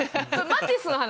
マティスの話。